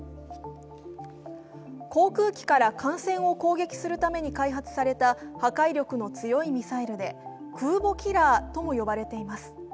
航空機から艦船を攻撃するために開発された破壊力の強いミサイルで、空母キラーとも呼ばれています。